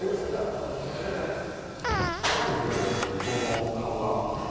怖いですね人の顔が。